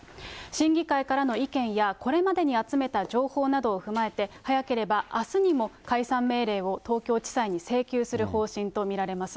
審議会からの意見や、これまでに集めた情報などを踏まえて、早ければあすにも解散命令を東京地裁に請求する方針と見られます。